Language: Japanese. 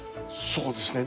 そうですね。